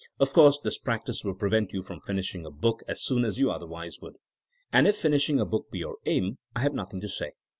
Of course this prac tice will prevent you from finishing a book as soon as you otherwise would. And if finishing a book be your aim, I have nothing to say.